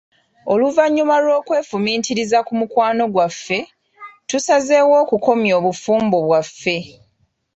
Oluvannyuma lw'okwefumiitiriza ku mukwano gwaffe, tusazeewo okukomya obufumbo bwaffe.